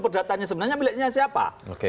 perdatanya sebenarnya miliknya siapa